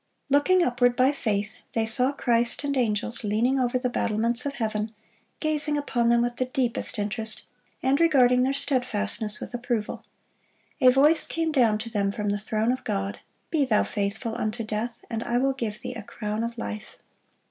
Looking upward by faith, they saw Christ and angels leaning over the battlements of heaven, gazing upon them with the deepest interest, and regarding their steadfastness with approval, A voice came down to them from the throne of God, "Be thou faithful unto death, and I will give thee a crown of life."